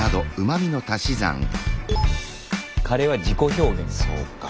カレーは自己表現か。